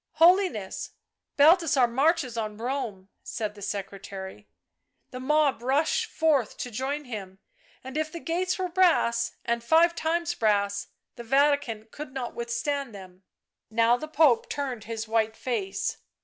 " Holiness, Balthasar marches on Rome," said the secretary, " the mob rush forth to join him, and if the gates were brass, and five times brass, the Vatican could not withstand them." Now the Pontiff turned his white face.